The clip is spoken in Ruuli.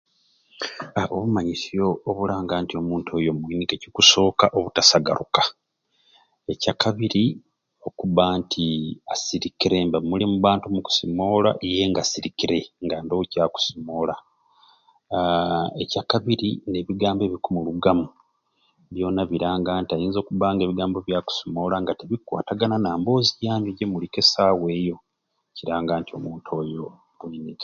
Obumanyisyo obulanga nti omuntu oyo mwiniki ekikusooka obutasagaruka ekyakabiri okuba nti asirikire mbe muli mu bantu mukusimoola iye nga asirikire nga ndowo kyakusimoola haaa ekyakabiri ne bigambo ne ebikumulugamu byona obiranga nti ayinza okuba nga ebigambo byakusimoola nga tebikukwatagama n'amboozi yannye gyemukusimoola esaawa eyo kiranga nti omuntu oyo mwiniki